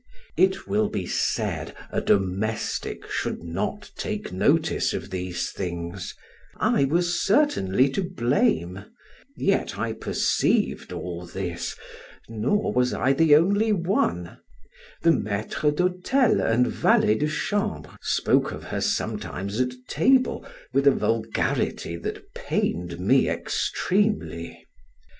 It will be said, a domestic should not take notice of these things; I was certainly to blame, yet I perceived all this, nor was I the only one; the maitre d' hotel and valet de chambre spoke of her sometimes at table with a vulgarity that pained me extremely.